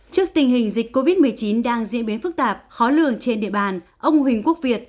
trước tình hình dịch covid một mươi chín đang diễn biến phức tạp khó lường trên địa bàn ông huỳnh quốc việt